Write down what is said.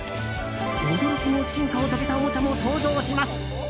驚きの進化を遂げたおもちゃも登場します。